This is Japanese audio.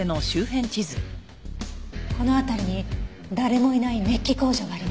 この辺りに誰もいないメッキ工場がありました。